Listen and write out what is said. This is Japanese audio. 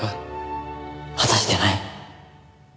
果たしてない。